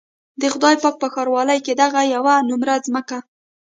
د خدای پاک په ښاروالۍ کې دغه يوه نومره ځمکه.